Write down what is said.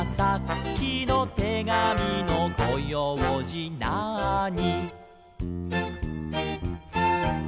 「さっきのてがみのごようじなあに」